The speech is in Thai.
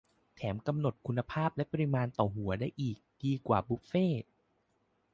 - แถมกำหนดคุณภาพและปริมาณต่อหัวได้อีก ดีกว่าบุฟเฟต์